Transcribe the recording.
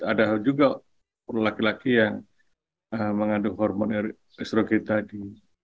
ada juga laki laki yang mengandung hormon srog tadi